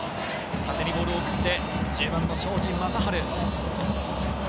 縦にボールを送って、１０番・庄司壮晴。